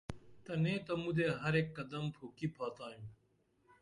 تنے تہ مُدے ہر ایک قدم پُھوکی پھاتائم